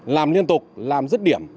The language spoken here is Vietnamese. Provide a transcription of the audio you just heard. làm liên tục làm dứt điểm